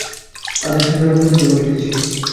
আদেশের জন্য প্রতীক্ষা করিতেছি।